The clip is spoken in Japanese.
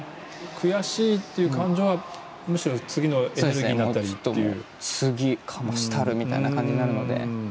悔しいっていう感情はむしろ、次のエネルギーに次かましたる！みたいな感じになるので。